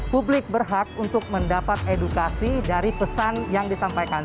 publik berhak untuk mendapat edukasi dari pesan yang disampaikan